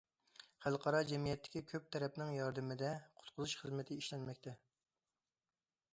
خەلقئارا جەمئىيەتتىكى كۆپ تەرەپنىڭ ياردىمىدە قۇتقۇزۇش خىزمىتى ئىشلەنمەكتە.